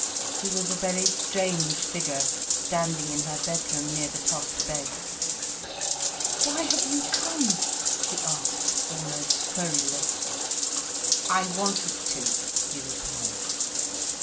He was a very strange figure, standing in her bedroom, near the tossed bed. "Why have you come?" she asked, almost querulous. "I wanted to," he replied.